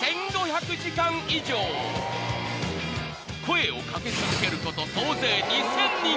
［声を掛け続けること総勢２，０００人］